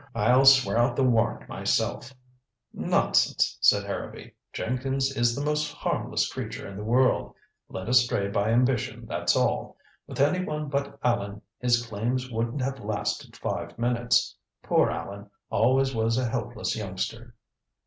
I'll swear out the warrant myself " "Nonsense," said Harrowby, "Jenkins is the most harmless creature in the world. Led astray by ambition, that's all. With any one but Allan his claims wouldn't have lasted five minutes. Poor Allan always was a helpless youngster."